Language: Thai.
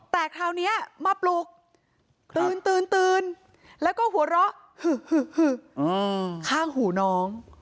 แต่คราวนี้มาปลุกตื่นตื่นแล้วก็หัวเราะข้างหูน้อง